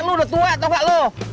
udah tua tau gak lo